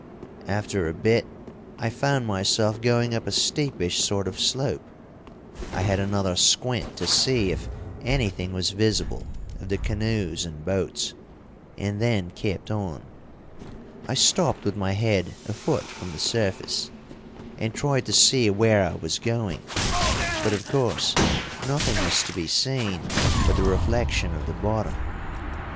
After a bit, I found myself going up a steepish sort of slope. I had another squint to see if anything was visible of the canoes and boats, and then kept on. I stopped with my head a foot from the surface, and tried to see where I was going, but, of course, nothing was to be seen but the reflection of the bottom.